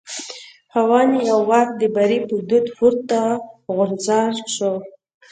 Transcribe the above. خاوند یې یو وار د بري په دود پورته غورځار شو.